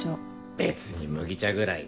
別に麦茶ぐらいで。